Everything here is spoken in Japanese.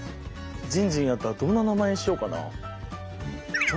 じんじんやったらどんな名前にしようかなあ？